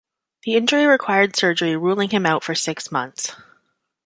The injury required surgery ruling him out for six months.